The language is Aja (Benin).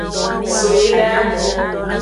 So yi da.